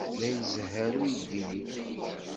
La izehher uydi-nni.